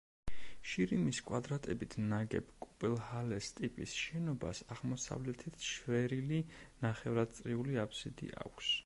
შირიმის კვადრებით ნაგებ კუპელჰალეს ტიპის შენობას აღმოსავლეთით შვერილი ნახევრადწრიული აფსიდი აქვს.